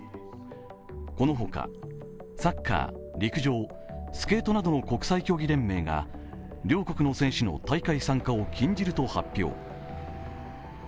この他、サッカー、陸上、スケートなどの国際競技連盟が両国の選手の大会参加を禁じると発表。